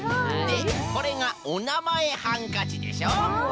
でこれがおなまえハンカチでしょ。